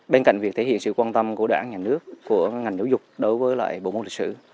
bên cạnh việc thể hiện sự quan tâm của đảng nhà nước của ngành giáo dục đối với lại bộ môn lịch sử